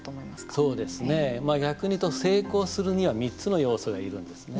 そうですね、逆に言うと成功するには３つの要素が要るんですね。